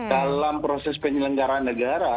dalam proses penyelenggaraan negara